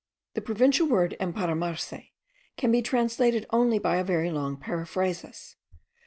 The provincial word emparamarse can be translated only by a very long periphrasis.